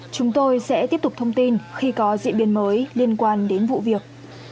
chúng tôi sẽ tiếp tục thông tin khi có diễn biến mới liên quan đến vụ việc